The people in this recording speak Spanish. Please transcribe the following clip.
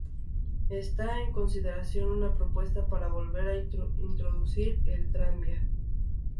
Está en consideración una propuesta para volver a introducir el tranvía.